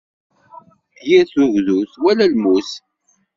Yir tugdut wala lmut.